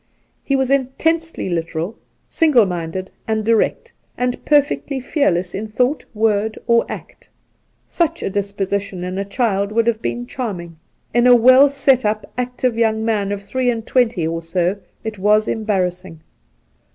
He was intensely literal, single minded and direct, and perfectly fearless in thought, word or act. Such a disposition in a child would have been charming: In a weU set up, active young man of three and twenty or so it was embarrassing.